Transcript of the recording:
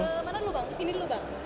ke sini dulu bang